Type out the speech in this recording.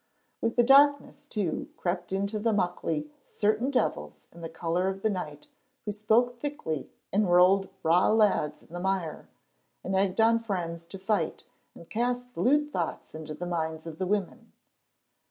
With the darkness, too, crept into the Muckley certain devils in the color of the night who spoke thickly and rolled braw lads in the mire, and egged on friends to fight and cast lewd thoughts into the minds of the women.